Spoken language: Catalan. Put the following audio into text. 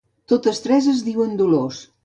Totes tres es diuen Dolors.